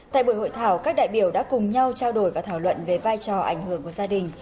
tại buổi hội thảo các đại biểu đã cùng nhau trao đổi và thảo luận về vai trò ảnh hưởng của gia đình